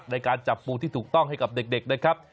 ในการจับปูที่ถูกต้องให้กับเด็กนะครับ